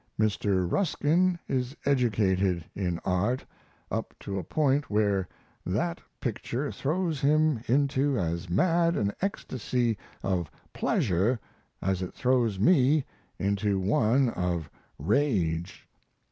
Mr. Ruskin is educated in art up to a point where that picture throws him into as mad an ecstasy of pleasure as it throws me into one of rage.